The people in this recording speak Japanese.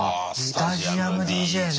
スタジアムＤＪね！